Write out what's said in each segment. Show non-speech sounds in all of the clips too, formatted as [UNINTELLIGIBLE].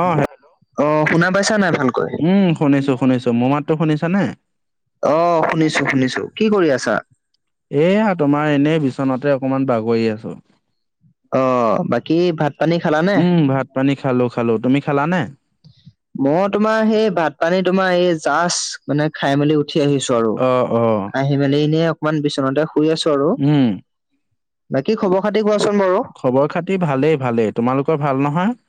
অ', অ শুনা পাইছা নাই ভালকৈ উম, শুনিছো, শুনিছো মোৰ মাততো শুনিছানে? অ', শুনিছো, শুনিছো কি কৰি আছা? এয়া তোমাৰ এনেই বিচনাতে অকনমান বাগৰি আছো। অ বাকী ভাত পানী খালানে উম, ভাত পানী খালো, খালো তুমি খালানে? মই তোমাৰ সেই ভাত পানী তোমাৰ এই জাষ্ট মানে খাই মেলি উঠি আহিছো আৰু। অ', অ'। আহি মেলি এনে অকমান বিচনাতে শুই আছো। ৰু, উম বাকী খবৰ খাতি কোৱাচোন বাৰু। খবৰ খাতি ভালেই, ভালেই তোমালোকৰ ভাল নহয়?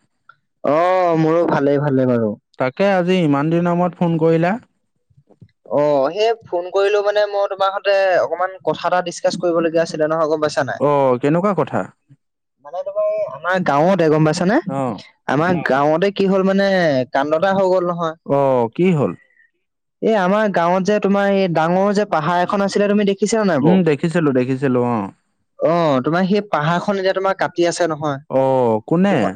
অ', মোৰো ভালেই, ভালে বাৰু। তাকে আজি ইমান দিনৰ মূৰত ফোন কৰিলা। অ', সেই ফোন কৰিলো মানে মই তোমাৰ সতে অকমান কথা এটা ডিচকাচ কৰিবলগীয়া আছিলে নহয় অক অ', কেনেকুৱা কথা? মানে তোমাৰ আমাৰ গাঁৱতে গম পাইছানে অ আমাৰ গাঁৱতে কি হ'ল মানে কাণ্ড এটা হৈ গ'ল নহয়। অ', কি হ'ল? এই আমাৰ গাঁৱত যে তোমাৰ এই ডাঙৰ যে পাহাৰ এখন আছিলে তুমি দেখি উম, দেখিছিলো, দেখিছিলো অ'। অ', তোমাৰ সেই পাহাৰখন এতিয়া তোমাৰ কাটি আছে নহয় অ কোনে তোমা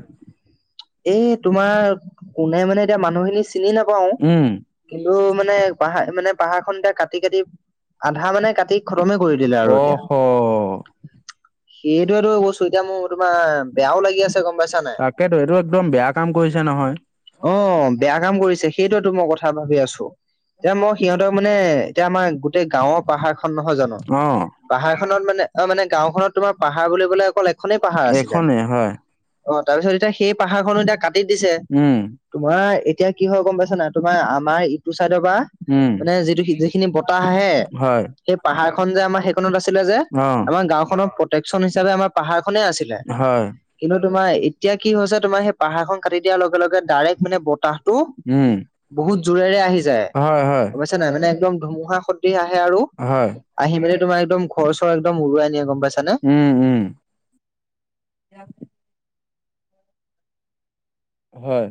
এই তোমাৰ কোনে মানে এতিয়া মানুহখিনি চিনি নাপাও, উম কিন্তু মানে মানে পাহাৰ মানে পাহাৰখনন এতিয়া কাটি, কাটি আধা মানে কাটি খতমে কৰি দিলে আৰু এতিয়া। অহ সেইটোৱেটো বস্তু এতিয়া মোৰ তোমাৰ বেয়াও লাগি আছে গম পাইছ তাকেইেতো, এইটো একদম বেয়া কাম কৰিছে নহয়। অ', বেয়া কাম কৰিছে সেইটোৱেতো মই কথা ভাবি আছো। এতিয়া মই সিহঁতৰ মানে এতিয়া আমাৰ গোটেই গাঁওৰ পাহাৰখন নহয় জানো অ পাহাৰখনত মানে অ', মানে গাঁওখনত তোমাৰ পাহাৰ বুলিবলে অকল এখনেই পাহাৰ আছিলে। এইখনেই হয় অ, তাৰ পিছত এতিয়া সেই পাহাৰখনো এতিয়া কাটি দিছে। উম। তোমাৰ এতিয়া কি হয় গম পাইছা না, তোমাৰ আমাৰ ইটো চাইদৰ পৰা উম মানে যিটো যিখিনি পতাহে হয় সেই পাহাৰখন যে আমাৰ সেইখনত আছিলে যে অ', আমাৰ গাওখননৰ প্ৰটেক্যন হিচাপে আমাৰ পাহাৰ খনে আছিলে। হয়, কিন্তু তোমাৰ এতিয়া কি হৈছে, তোমাৰ সেই পাহাৰখন কাটি দিয়াৰ লগে, লগে ডাইৰেক্ট মানে বতাহটো উম। বহুত জোৰেৰে আহি যায়, হয়, হয়, গম পইছা নে নাই, মানে একদম ধুমুহা খদিৃহ আহে আৰু। হয়। আহি মেলি তোমাৰ একদম ঘৰ, চৰ একদম উৰুৱাই নিয়ে গ'ম পাইছানে। উম, উম। [INAUDIBLE] হয়।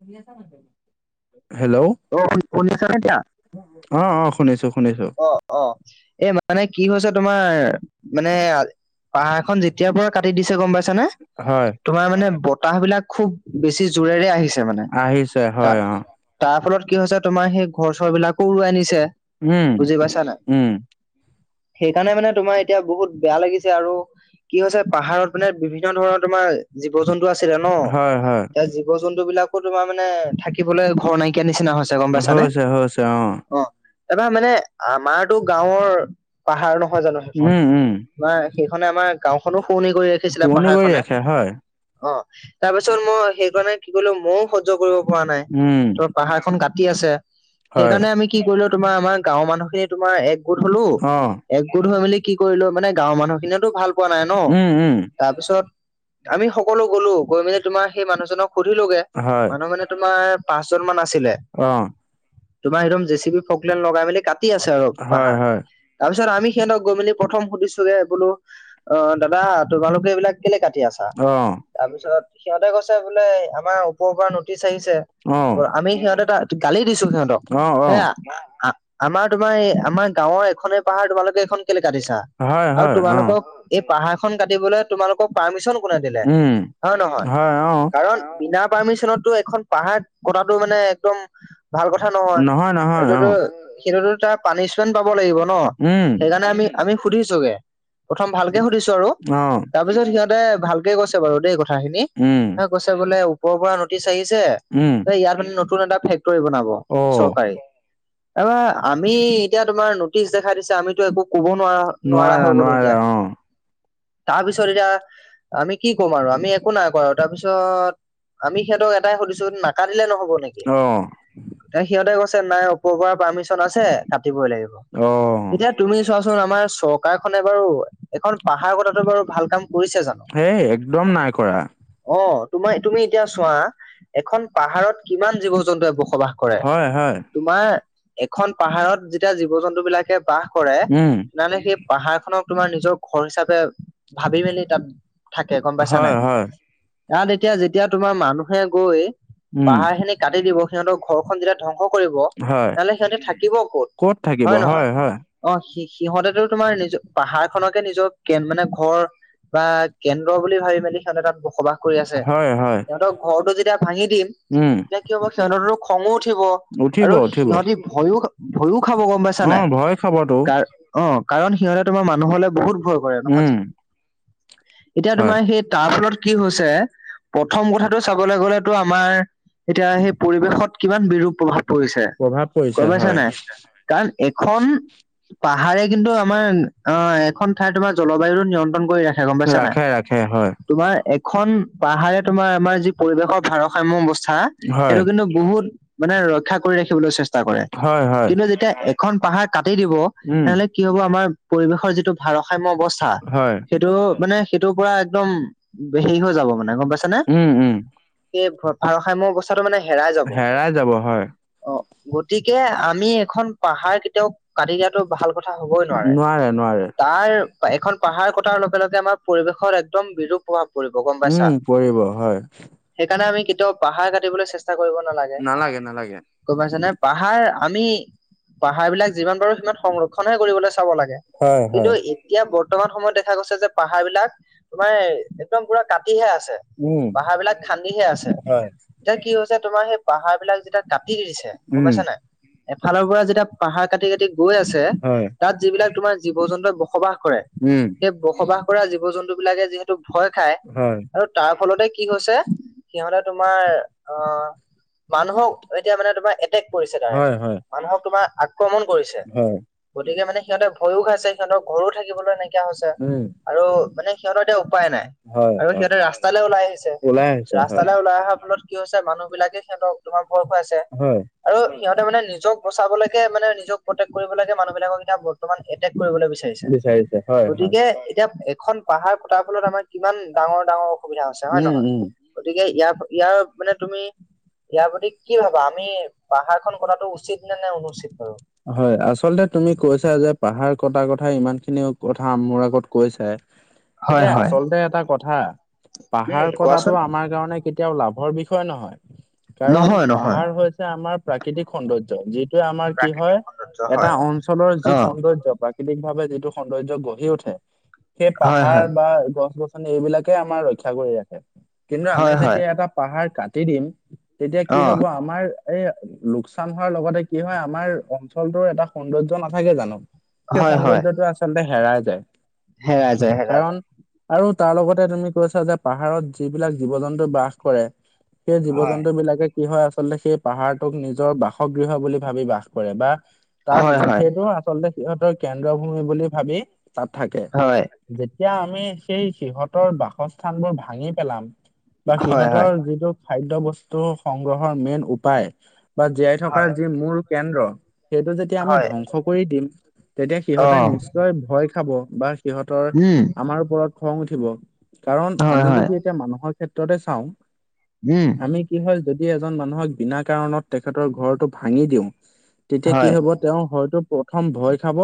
[UNINTELLIGIBLE] হেল্ল'? অ, [INAUDIBLE] অ', অ', শুনিছো, শুনিছো। অ', অ', এই মানে কি হৈছে তোমাৰ মানে পাহাৰ খন যেতিয়াৰ পৰা কাটি দিছে গম পাইছানে, হয়, তোমাৰ মানে বতাহ বিলাক খুব বেছি জোৰেৰে আহিছে মানে আহিছে, হয়, তাত অ', তাৰ ফলত কি হৈছে তোমাৰ সেই ঘৰ চৰ বিলাকও উৰুৱাই আনিছে। উম, বুজি পাইছা নাই উম, সেইকাৰণে মানে তোমাৰ এতিয়া বহুত বেয়া লাগিছে আৰু কি হৈছে পাহাৰত মানে বিভিন্ন ধৰণৰ তোমাৰ জীৱ-জন্তু আছিলে ন, হয়, হয়, এতিয়া জীৱ-জন্তু বিলাকো তোমাৰ মানে থাকিবলৈ ঘৰ নাইকা ক নিচিনা হৈছে গম পাইছানে, হৈছে, হৈছে, অ'। এবাৰ মানে আমাৰতো গাঁওৰ পাহাৰ নহয় জানো সেইখন উম, উম, বা সেইখনে আমাৰ গাওখনো শুৱনি কৰি ৰাখিছিলে শুৱনি পাহাৰ কৰি খনে ৰাখে, হয়, অ, তাৰ পিছত মই সেইকাৰণে কি কলো মইও শয্য কৰিব পৰা নাই উম, ত পাহাৰ খখন কাটি আছে হয়, সেইকাৰণে আমি কি কৰিলো তোমাৰ আমাৰ গাঁৱৰ মানুহে তোমাৰ এক গোট হলো অ', এক গোট হৈ মেলি কি কৰিলো মানে গাঁৱৰ মানুহ খিনিয়ো ভাল পোৱা নাই ন। উম, উম, তাৰ পিছত আমি সকলো গলো গৈ মেলি তোমাৰ সেই মানুহজনক সুধিলোগে। হয়। মানুহ মানে তোমাৰ পাঁচ জন মান আছিলে। অ'। তোমাৰ একদম জেচি বি ফকল লগাই মেলি কাটি আছে আৰু হয়, পাহাৰ হয়, তাৰিছত আমি সিহঁতক গৈ মেলি প্ৰম সুধুচো বোলো অ, দাদা তোমালোকে এইবিলাক কেলে কাটি আছ। অ'। তাৰপিছত সিহঁতে কৈছে বোলে আমাৰ ওপৰৰ পৰা নটিচ আহিছে। অ'। আমি সিহঁতে এ, তটা গালি দিছো সিহঁতক অ', অ', হ আমাৰ তোমাৰ এই আমাৰ গাঁওৰ এখনে পাহাৰ তোমালোকে এখন কেলে কাটিছা হয়, আৰু হয়, অ', তোমালোকক এই পাহাৰ খন কাটিবলৈ তোমালোকক পাৰ্মিশন কোনে দিলে উম, হয়, নহয়। হয়, অ', কাৰণ বিনা পাৰ্মিশনত এইটো এখন পাহাৰ কটাটো মানে একদম ভাল কথা নহয় নহয়, এইটোতো অ', সেইতো তাৰ পানিচমেন্ট পাব লাগিব ন উম, সেইকাৰণে আমি আমি সুধিছোগে। প্ৰথম ভালকে সুধিছো আৰু অ', তাৰ পিছত সিহঁতে ভালকে কৈছে বাৰু দেই কথাখিনি। উম। কৈছে বোলে ওপৰৰ পৰা নটিচ আহিছে। উম। ইয়াত মানে নতুন এটা ফেক্টৰী বনাব অ' চৰকাৰী এব আমি এতিয়া তোমাৰ নটিচ দেখাই দিছে আমিতো একো ক'ব নোৱাৰা। নোৱাৰা হৈ গলো নোৱাৰা এতিয়া। অ' তাৰপিছত এতিয়া আমি কি কম আৰু আমি একো নাই কৰা তাৰপিছত আমি সিহঁত এট সধছো নাক দিলে নহব নেকি। অ'। সিহঁতে কৈছে নাই ওপৰ পৰা পাৰ্মিশন আছে কাটিবই লাগিব। অ'। এয়া তুমি চোৱাচোন আমাৰ চৰকাৰখনে বাৰু এখন পাহাৰ কথাতো বাৰু ভাল কাম কৰিছে জানো। হেই একদম নাই কৰা। অ, তোমাৰ তুমি এতিয়া চোৱা এখন পাহাৰত কিমান জীৱ-জন্তুৱে বসবাস কৰে হয় হয়, তোমাৰ এখন পাহাৰত যেতিয়া জীৱ-জন্তু বিলাকে বাস কৰে। উম, নাই নে সেই পাহাৰ খনক তোমাৰ নিজৰ ঘৰ হিচাপে ভাবি মেলি তাত থাকে গম পাইছা হয় নাই। হয়, ইয়াত এতিয়া যেতিয়া তোমাৰ মানুহে গৈ উম, পাহাৰ খিনি কাটি দিব সিহঁতকৰ ঘৰখন যেতিয়া ধ্বংস কৰিব। হয়। নহলে সিহঁতে থাকিব ক'ত থাকিব হয়ে নহয়। হয় হয়, অ, স সিহঁতে তোমাৰ নিজ পাহাৰ খনকে নিজৰ কে, মানে ঘৰ বা কেন্দ্ৰ বুলি ভাবি মেলি সিহঁতে তাত বসবাস কৰি আছে হয় হয়, সিহঁতক ঘৰটো যেতিয়া ভাঙি দিম উম, তেতিয়া কি হ'ব সিহঁততো খঙো উঠিব উঠিব আৰু উঠিব। সিহঁতি ভয়ো, ভয়ো খাব গম পাইছা অ' নাই ভয় খাবতো, কাৰ অ, কাৰণ সিহঁতে তোমাৰ মানুহলে বহুত ভয় নহয় উম, জানো এতিয়া হয়। তোমাৰ সেই তাৰ ফলত কি হৈছে প্ৰথম কথাটো চাবলৈ গলেতো আমাৰ এতিয়া সেই পৰিৱেশত কিমান বিৰূপ প্ৰভাৱ পৰিছে। প্ৰভাৱ পৰিছে গম পাইছা হয়, নাই কাৰণ এখন পাহাৰে কিন্তু আমাৰ অ, এখন ঠাই তোমাৰ জলবায়ুটো নিয়ন্ত্ৰণ কৰি ৰাখে গম পাইছা নাই। ৰাখে হয়, তোমাৰ এখন পাহাৰে তোমাৰ আমাৰ যি পৰিৱেশৰ ভাৰসাম্য অৱস্থা এটো হয়, কিন্তু বহুত মানে ৰক্ষা কৰি ৰাখিবলৈ চেষ্টা কৰে। হয় হয়, কিন্তু যেতিয়া এখন পাহাৰ কাটি দিব উম। তেনেহলে কি হ'ব আমাৰ পৰিৱেশৰ যিটো ভাৰসাম্য অৱস্থা হয়, সেইটো মানে সেইটোৰ পৰা একদম হেৰি হৈ যাব মানে গম পাইছে নে উম উম, সেই ভাৰসাম্য অৱস্থাটো মানে হেৰাই যাব। হেৰাই যাব হয়। অ, গতিকে আমি এখন পাহাৰ কেতিয়াও কাটি দিয়াটো ভাল কথা হ'বই নোৱাৰে তাৰ এখন পাহাৰ কটাৰ লগে, লগে আমাৰ পৰিৱেশৰ একদম বিৰূপ প্ৰভাৱ পৰিব গম পাইছা উম, পৰিব হয়, সেইকাৰণে আমি কেতিয়াও পাহাৰ কাটিবলৈ চেষ্টা কৰিব নালাগে। নালাগে, নালাগে। গৈ পাইছা নে পাহাৰ আমি পাহাৰ বিলাক যিমান পাৰো সিমান সংৰক্ষনহে কৰিবলৈ চাব লাগে হয় হয়, কিন্তু এতিয়া বৰ্তমান সময়ত দেখা গৈছে যে পাহাৰ বিলাক তোমাৰ একদম পুৰা কাটিহে আছে, উম। পাহাৰ বিলাক খান্দিহে আছে। হয়, এতিয়া কি হৈছে তোমাৰ সেই পাহাৰ বিলাক যেতিয়া কাটি দি দিছে গমাইছ নে এফালৰ পৰা যেতিয়া পাহাৰ কাটি, কাটি গৈ আছে। হয়, তাত যিবিলাক তোমাৰ জীৱ-জন্তুৱে বসবাস কৰে সেই বসবাস কৰা জীৱ-জন্তু বিলাকে যিহেতু তোক ভয় খায় হয়, আৰু তাৰ ফলতে কি হৈছে সিহঁতে তোমাৰ আহ মানুহক এতিয়া মানে তোমাৰ এটেক কৰিছে তাৰে হয়, হয়, মানুহক তোমাৰ আক্ৰমণ কৰিছে। হয়। গতিকে মানে সিহঁতে ভয়ো খাই সিহতৰ ঘৰো থাকিবলৈ নাইকিয়া হৈছে। উম। আৰু মানে সিহঁতৰ এতিয়া উপায় নাই, হয়, আৰু হয়। সিহঁতে ৰাস্তালৈ ওলাই আহিছে, ওলাই আহিছে হয়, ৰাস্তালৈ ওলাই অহাৰ ফলত কি হৈছে মানুহ বিলাগে সিহঁতক তোমাৰ ভয় [UNINTELLIGIBLE] হয়। আৰু সিহঁতে মানে নিজক বচাবলৈকে মানে নিজক প্ৰটেক্ট কৰিবলৈকে মানুহবিলাকক এতিয়া বৰ্তমান এটেক কৰিবলৈ [UNINTELLIGIBLE] বিচাৰিছে হয়, [UNINTELLIGIBLE] হয়। গতিকে এতিয়া এখন পাহাৰ কটাৰ ফলত আমাৰ কিমান ডাঙৰ ডাঙৰ সুবিধা আছে হয় উম, নহয়, উম। গতিকে ইয়া ইয়াৰত মানে তুমি, ইয়াৰ প্ৰতি কি ভাবা আমি পাহাৰ খন কটাটো উচিত নে নে অনুচিত বাৰু। হয় আচলতে তুমি কৈছা যে পাহাৰ কটা কথা ইমান খিনি কথা মোৰ আগত কৈছায়ে। [INAUDIBLE] এতিয়া আচলতে এটা কথা, পাহাৰ কোৱাচোন। কটাটো আমাৰ কাৰণে কেতিয়াও লাভৰ বিষয় নহয়। কাৰণ নহয় নহয়। পাহাৰ হৈছে আমাৰ প্ৰাকৃতিক সৌন্দৰ্য, যিটো আমাৰ কি হয়। এটা হয় অঞ্চলৰ যি অ সৌন্দৰ্য প্ৰাকৃতিক ভাৱে যিটো সৌন্দৰ্য গঢ়ি উঠে। সেই হয় পাহাৰ হয় বা গছ গছনি এইবিলাকে আমাৰ ৰক্ষা কৰি ৰাখে, কিন্তু আমি হয় হয় যেতিয়া এটা পাহাৰ কাটি দিম, তেতিয়া অ কি হ'ব আমাৰ এই লোকচান হোৱাৰ লগতে কি হয় আমাৰ অঞ্চলটোৰ এটা সৌন্দৰ্য্য নাথাকে জানো। সেই হয় হয় সৌন্দৰ্য্যটো আচলতে হেৰাই যায়, হেৰাই যায় হেৰাই কাৰণ যায়। আৰু তাৰ লগতে তুমি কৈছা যে পাহাৰত যিবিলাক জীৱ জন্তু বাস কৰে, সেই জীৱ হয় জন বিলাকে কি হয় আচলতে সেই পাহাৰটোক নিজৰ বাসগৃহ বুলি ভাবি বাস কৰে বা তাত হয় হয় সেইটো আচলতে সিহঁতৰ কেন্দ্ৰ ভূমি বুলি ভাবি তাত থাকে। হয় যেতিয়া আমি সেই সিহঁতৰ বাসস্থান বোৰ ভাঙি পেলাম। বা হয়। হয় সিহঁতৰ যিটো খাদ্য বস্তু সংগ্ৰহৰ মেইন উপায়। বা জীয়াই থকা হয় যি মূল কেন্দ্ৰ, সেইটো যেতিয়া আমি হয় ধ্বংস কৰি দিম। তেতিয়া অ সিহঁতে নিশ্চয় ভয় খাব বা সিহঁতৰ উম আমাৰ ওপৰত খং উঠিব, কাৰণ হয় আমি হয় যদি এতিয়া মানুহৰ ক্ষেত্ৰতে চাওঁ, উম আমি কি হয় যদি এজন মানুহক বিনা কাৰণত তেখেতৰ ঘৰটো ভাঙি দিওঁ, তেতিয়া কি হয় হ'ব তেওঁ হয়তো প্ৰথম ভয় খাব।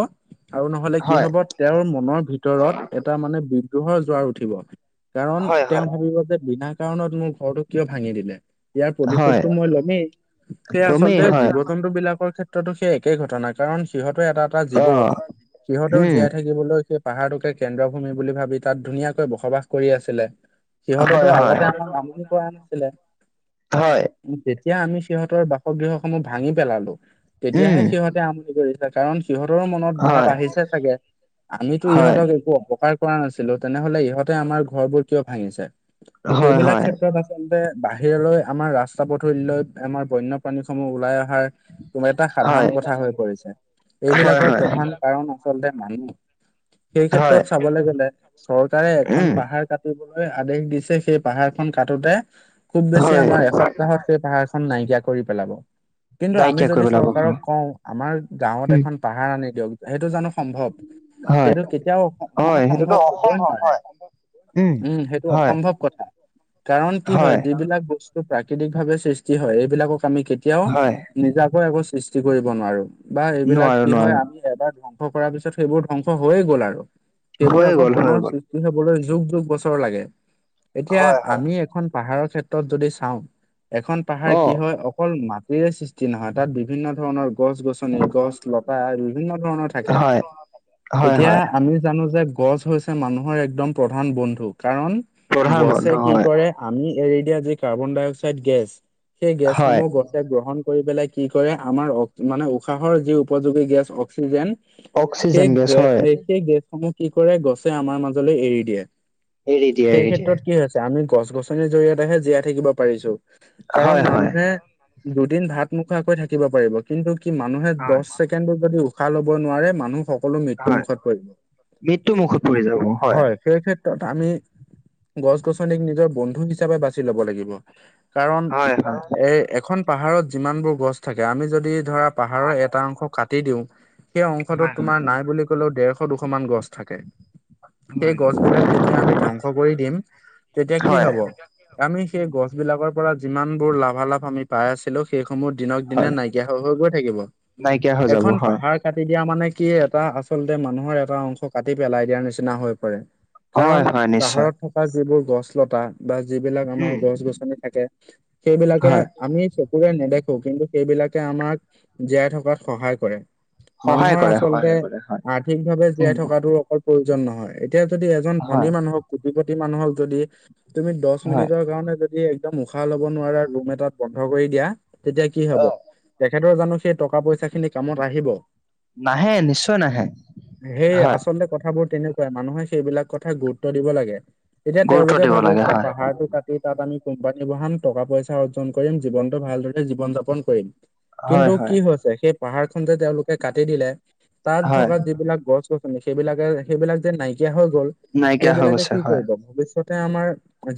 আৰু নহ'লে কি হয় হ'ব তেওঁৰ মনৰ ভিতৰত এটা মানে বিদ্ৰোহৰ জোৱাৰ উঠিব। কাৰণ হয় তেওঁ হয় ভাবিবো যে বিনা কাৰণত মোৰ ঘৰটো কিয় ভাঙি দিলে। ইয়াৰ হয় প্ৰতিশোধটো মই ল'মেই, সেয়া তুমেই আচলতে হয় জীৱ জন্তু বিলাকৰ ক্ষে [UNINTELLIGIBLE] সেই একেই ঘটনা কাৰণ সিহঁতে এটা এটা অ জীৱ, সিহঁতেও উম জীয়াই থাকিবলৈ পাহাৰটোকে কেন্দ্ৰ ভূমি বুলি ভাবি তাত ধুনীয়াকৈ বসবাস কৰি আছিলে। সিহঁতেতো হয় হয় আগতে আমাক আমনি কৰা নাছিলে। হয় যেতিয়া আমি সিহঁতৰ বাসগৃহ সমূহ ভাঙি পেলালো, উম তেতিয়াহে সিহঁতে আম [UNINTELLIGIBLE] কাৰণ সিহঁতৰো মনত হয় ভাৱ আহিছে চাগে, আমিতো হয় ইহঁতক একো অপকাৰ কৰা নাছিলোঁ তেনেহ'লে ইহঁতে আমাৰ ঘৰবোৰ কিয় ভাঙিছে, হয় সেইবিলাক হয় ক্ষেত্ৰত আচলতে বাহিৰলৈ আমাৰ ৰাস্তা পথূলৈ আমাৰ বন্যপ্ৰাণীসমূহ ওলাই অহাৰ তোমাৰ এটা সাধাৰণ হয় কথা হৈ পৰিছে, হয় এইবিলাকৰ হয় প্ৰধান কাৰণ আচলতে মানুহ। সেই হয় ক্ষেত্ৰত চাবলৈ গ'লে চৰকাৰে এখন উম পাহাৰ কা [INAUDIBLE] আদেশ দিছে সেই পাহাৰ খন কাটোতে খুব বেছি হয় আমাৰ এসপ্তাহত সেই পাহাৰখন নাইকিয়া কৰি পেলাব। কিন্তু আমি নাইকিয়া কৰি যদি পেলাব হয় চৰকাৰক কওঁ, আমাৰ গাঁৱত উম এখন পাহাৰ আনি দিয়ক সেইটো জানো সম্ভৱ, হয় সেইটো কেতিয়াও হয় মানে সেইটোতো সম্ভৱ হ'বই অসম্ভৱ নোৱাৰে। হয় উম, সেইটো হয় অসম্ভৱ কথা, কাৰণ কি হয় [INAUDIBLE] বিলাক বস্তু প্ৰাকৃতিক ভাৱে সৃষ্টি হয় এইবিলাকক আমি কেতিয়াও হয় নিজাকৈ আকৌ সৃষ্টি কৰিব নোৱাৰো বা এইবিলাক নোৱাৰো কি হয় নোৱাৰো আমি এবাৰ [INAUDIBLE] [UNINTELLIGIBLE] কৰাৰ পিছত সেইবোৰ ধ্বংস হৈয়ে গ'ল আৰু, সেইবোৰ হৈ আকৌ গ'ল হৈ পুনৰ গ'ল [INAUDIBLE] হ'বলৈ যুগ যুগ বছৰ লাগে, এতিয়া হয় হয় আমি এখন পাহাৰত ক্ষেত্ৰত যদি চাওঁ, এখন পাহাৰ অ কি হয় অকল মাটিৰে সৃষ্টি নহয়, তাত বিভিন্ন ধৰণৰ গছ গছনি, গছ লতা, বিভিন্ন ধৰণৰ থাকে। হয় হয় এতিয়া হয় আমি জানো যে, গছ হৈছে মানুহৰ একদম প্ৰধান বন্ধু, কাৰণ প্ৰধান বন্ধ গছে, কি হয় কৰে আমি এৰি দিয়া যি, কাৰ্বন-ডাই অক্সাইড গেছ, সেই হয় গেছসমূহ গছে গ্ৰহণ কৰি পেলাই কি কৰে, আমাৰ মানে উশাহৰ যি উপযোগী গেছ অক্সিজেন অক্সিজেন গেছ হয় সেই গেছসমূহ কি কৰে, গছে আমাৰ মাজলৈ এৰি দিয়ে। এৰি দিয়ে সেই এৰি দিয়ে ক্ষেত্ৰত কি হৈছে আমি গছ গছনিৰ জৰিয়তেহে জীয়াই থাকিব পাৰিছো, কাৰণ হয় হয় মানুহে দুদিন ভাত নোখোৱাকৈ থাকিব পাৰিব, কিন্তু কি মানুহে হয় দশ চেকেনড যদি উশাহ ল'ব নোৱাৰে মানুহ সকলো মৃত্যু হয় মুখত পৰিব, মৃত্যু মুখত পৰি যাব হয়। সেই ক্ষেত্ৰত আমি গছ-গছনিক নিজৰ বন্ধু হিচাপে বাছি ল'ব লাগিব কাৰণ, হয় হয় এখন পাহাৰত যিমানবোৰ গছ থাকে, আমি যদি ধৰা হয় পাহাৰৰ এটা অংশ কাটি দিওঁ, সেই অংশটোত হয় তোমাৰ নাই বুলি কলেও, ডেৰশ-দুশ মান গছ থাকে। সেই গছবিলাক যেতিয়া আমি ধ্বংস কৰি দিম, তেতিয়া হয় কি হয় হ'ব? আমি সেই গছ বিলাকৰ পৰা যিমান বোৰ লাভালাভ আমি পাই আছিলো, সেইসমূহ দিনক দিনে হয় নাইকিয়া হৈ হৈ গৈ থাকিব। নাইকিয়া হৈ যাব এখন হয় পাহাৰ কাটি দিয়া মানে কি এটা আচলতে মানুহৰ এটা অংশ কাটি পেলাই দিয়াৰ নিচিনা হৈ পৰে। হয় কাৰণ হয় নিশ্চয় পাহাৰত যিবোৰ গছ লতা বা যিবিলাক আমাৰ উম গছ গছনি থাকে, সেইবিলাকে হয় আমি চকুৰে নেদেখো কিন্তু, সেইবিলাকে আমাক জীয়াই থকাত সহায় কৰে। সহায় মানুহৰ কৰে আচলতে সহায় কৰে হয় আৰ্থিক ভাৱে উম জীয়াই থকাটো অকল প্ৰয়োজন নহয়, এতিয়া যদি এজন হয় ধনী মানুহক কোটি কোটি মানুহক যদি, তুমি দহ হয় মিনিটৰ কাৰণে যদি একদম উশাহ ল'ব নোৱাৰা ৰুম এটাত বন্ধ কৰি দিয়া, তেতিয়া কি হব? অ তেখেতৰ জানো সেই টকা পইচা খিনি কামত আহিব? নাহে নিশ্চয় নাহে সেই হয় আচলতে কথাবোৰ তেনেকুৱা, মানুহে, সেইবিলাক কথা গুৰুত্ব দিব লাগে। তেতিয়া গুৰুত্ব তেওঁলোকে দিব ভাবি লাগে আছে হয় কি তাত আমি কোম্পানী বহাম, টকা পইচা অৰ্জন কৰিম, জীৱনটো ভাল জীৱন যাপন কৰিম। হয় কিন্তু হয় কি হৈছে সেই পাহাৰ খন যে তেওঁলোকে কাটি দিলে, তাত হয় থকা যিবিলাক গছ-গছনি সেইবিলাকে সেইবিলাক যে নাইকিয়া হৈ গ'ল, নাইকিয়া হৈ সেইবিলাকে গৈছে কি হয় কৰিব ভৱিষ্যত? আমাৰ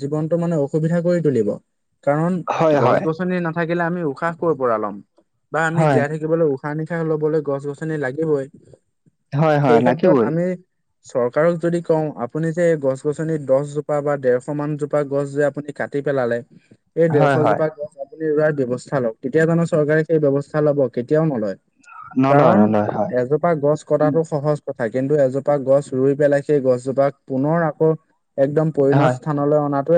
জীৱনটো মানে অসুবিধা কৰি তুলিব। কাৰণ হয় হয় গছ-গছনি নাথাকিলে আমি উশাহ ক'ৰ পৰা ল'ম বা আমি হয় জীয়াই থাকিবলৈ উশাহ উশাহ-নিশাহ লবলৈ গছ-গছনি লাগিবই, হয় হয় সেই ক্ষেত্ৰত লাগিবই আমি চৰকাৰক যদি কওঁ, আপুনি যে এই গছ গছনিত দহজোপা বা ডেৰশ মান জোপা গছ যে আপুনি কাটি পেলালে এই হয় ডেৰশ হয় জোপা গছ আপুনি ৰোৱাৰ ব্যৱস্থা লওক, তেতিয়া জানো চৰকাৰে সেই ব্যৱস্থা লব, কেতিয়াও নলয়। নলয় কাৰণ নলয় হয় এজোপা গছ কটাটো সহজ কথা কিন্তু, এজোপা গছ ৰুই পেলাই সেই গছজোপাক, পুনৰ আকৌ একদম হয় পৰিণত স্থানলৈ অনাটোৱে